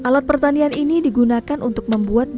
tuhan tuhan jarang melahirkan fo act